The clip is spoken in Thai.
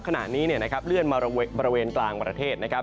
ขณะนี้เลื่อนมาบริเวณกลางประเทศนะครับ